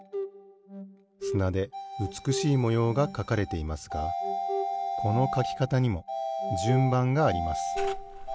すなでうつくしいもようがかかれていますがこのかきかたにもじゅんばんがあります。